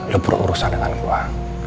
lo berurusan dengan gue